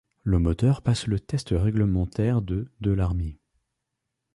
Le moteur passe le test réglementaire de de l'Army.